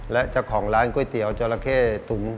และเจ้าของร้านก๋วยเตี๋ยวจราเข้ถุง